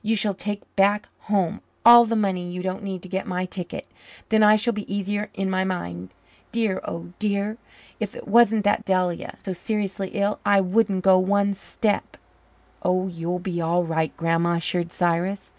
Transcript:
You shall take back home all the money you don't need to get my ticket. Then I shall be easier in my mind. Dear, oh dear, if it wasn't that Delia is so seriously ill I wouldn't go one step." "Oh, you'll be all right, Grandma," assured Cyrus.